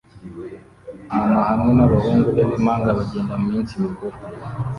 Mama hamwe nabahungu be bimpanga bagenda muminsi mikuru